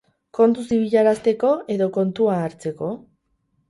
Kontuz ibilarazteko edo kontua hartzeko?